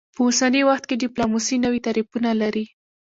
په اوسني وخت کې ډیپلوماسي نوي تعریفونه لري